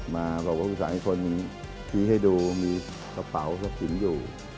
มาบอกว่าคุยสารนิคคลมีที่ให้ดูมีกระเป๋ากลางทิ้งอยู่